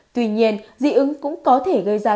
tuy nhiên dị ứng cũng có thể gây ra